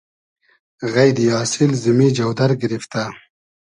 غݷدی آسیل زیمی جۆدئر گیریفتۂ